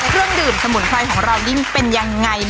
เรื่องดื่มสมุนไฟเป็นยังไง